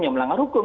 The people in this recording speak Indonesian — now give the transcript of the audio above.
ya melanggar hukum